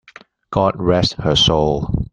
God rest her soul!